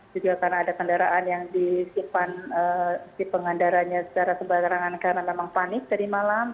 juga karena ada kendaraan yang disipan dipengandaranya secara kebarangan karena memang panik tadi malam